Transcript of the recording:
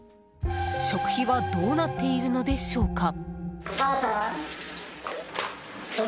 食費はどうなっているのでしょうか？